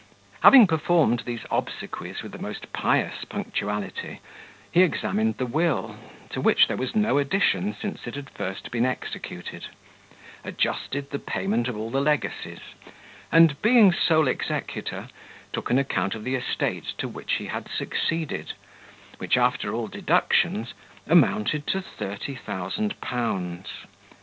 Having performed these obsequies with the most pious punctuality, he examined the will, to which there was no addition since it had first been executed, adjusted the payment of all the legacies, and, being sole executor, took an account of the estate to which he had succeeded, which, after all deductions, amounted to thirty thousand pounds.